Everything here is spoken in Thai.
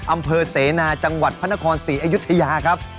อำเภอเสนาจังหวัดพระนครศรีอยุธยาครับ